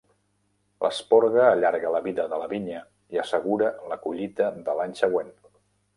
L'esporga allarga la vida de la vinya i assegura la collita de l'any següent.